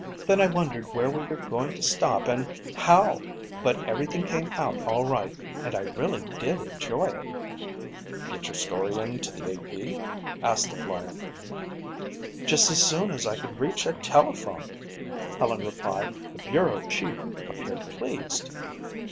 "Then I wondered where we were going to stop and how, but everything came out all right and I really did enjoy it." "Get your story in to the A.P.?" asked the flyer. "Just as soon as I could reach a telephone," Helen replied. "The bureau chief appeared pleased."